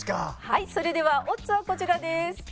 はいそれではオッズはこちらです。